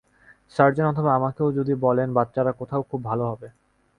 Sergeant অথবা আমাকেও যদি বলেন বাচ্চারা কোথায় খুব ভালো হবে।